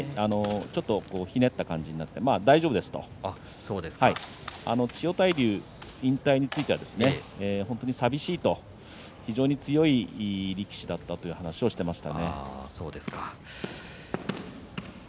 ちょっとひねった感じになって大丈夫ですと千代大龍引退については本当にさみしいと非常に強い力士だったと話していましたね。